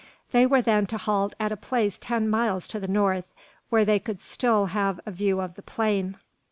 They were then to halt at a place ten miles to the north, where they could still have a view of the plain.